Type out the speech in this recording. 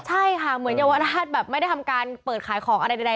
ใช่ค่ะเหมือนเยาวราชแบบไม่ได้ทำการเปิดขายของอะไรใด